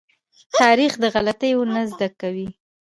تاریخ د غلطيو نه زده کوي.